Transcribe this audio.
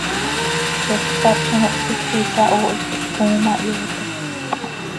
Ziix ccap z ano hptiij, xiica hoohit quih tcooo ma, hyootajc.